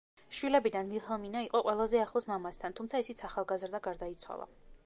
შვილებიდან ვილჰელმინა იყო ყველაზე ახლოს მამასთან, თუმცა ისიც ახალგაზრდა გარდაიცვალა.